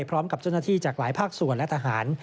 พร้อมกับเจ้าหน้าที่จากหลายภาคส่วนและทหาร